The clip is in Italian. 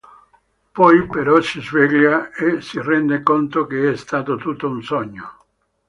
Poi, però si sveglia e si rende conto che è stato tutto un sogno.